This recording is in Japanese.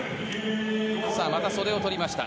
また袖を取りました。